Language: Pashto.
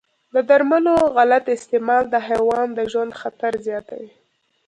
د درملو غلط استعمال د حیوان د ژوند خطر زیاتوي.